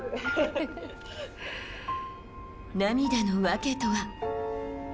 涙の訳とは？